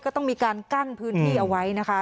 ก็ต้องมีการกั้นพื้นที่เอาไว้นะคะ